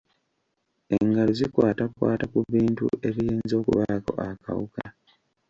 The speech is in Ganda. Engalo zikwatakwata ku bintu ebiyinza okubaako akawuka.